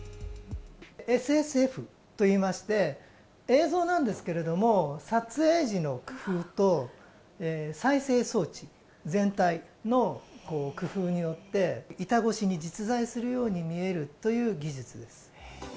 ＳＳＦといいまして、映像なんですけれども、撮影時の工夫と、再生装置全体の工夫によって、板越しに実在するように見えるという技術です。